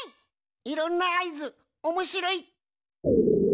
いろんなあいずおもしろい！